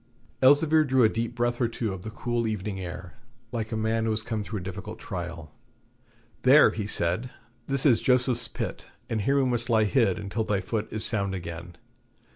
Elzevir drew a deep breath or two of the cool evening air, like a man who has come through a difficult trial. 'There,' he said, 'this is Joseph's Pit, and here we must lie hid until thy foot is sound again.